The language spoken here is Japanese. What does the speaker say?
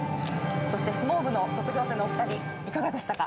相撲部の卒業生のお二人いかがでしたか。